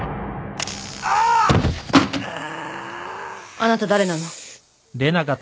あなた誰なの？